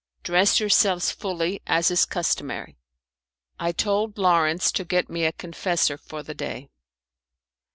Dress yourselves fully, as is customary." I told Lawrence to get me a confessor for the day.